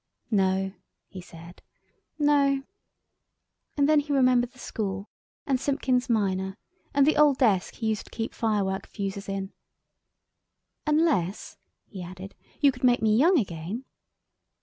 "No," he said, "no." And then he remembered the school and Simpkins minor and the old desk he used to keep firework fusees in. "Unless," he added, "you could make me young again."